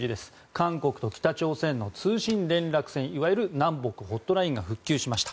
韓国と北朝鮮の通信連絡線いわゆる南北ホットラインが復旧しました。